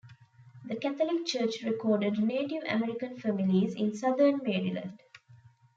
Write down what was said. The Catholic Church recorded Native American families in southern Maryland.